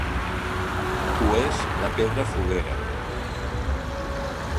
Ho és la pedra foguera.